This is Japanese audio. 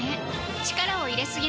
力を入れすぎない